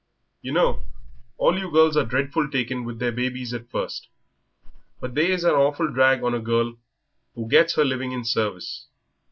"Yer know, all you girls are dreadful taken with their babies at first. But they is a awful drag on a girl who gets her living in service.